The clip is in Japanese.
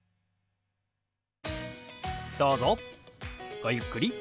ごゆっくり。